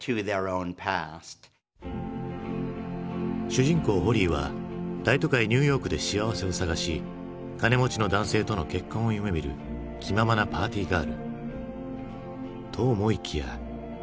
主人公ホリーは大都会ニューヨークで幸せを探し金持ちの男性との結婚を夢みる気ままなパーティーガールと思いきや。